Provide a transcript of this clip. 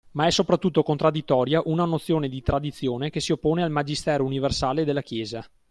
Ma è soprattutto contraddittoria una nozione di Tradizione che si oppone al Magistero universale della Chiesa